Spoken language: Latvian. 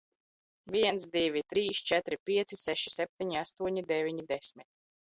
Viens, divi, trīs, četri, pieci, seši, septiņi, astoņi, deviņi, desmit.